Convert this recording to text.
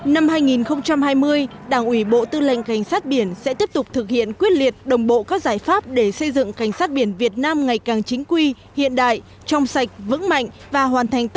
năm hai nghìn hai mươi đảng ủy bộ tư lệnh cảnh sát biển sẽ tiếp tục thực hiện quyết liệt đồng bộ các giải pháp để xây dựng cảnh sát biển việt nam ngày càng chính quy hiện đại trong sạch vững mạnh và hoàn thành